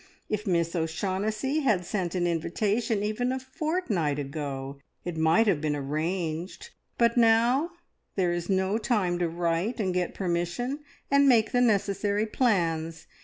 If Miss O'Shaughnessy had sent an invitation even a fortnight ago, it might have been arranged, but now there is no time to write, and get permission, and make the necessary plans.